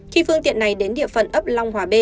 khi phương tiện này đến địa phận ấp long hòa b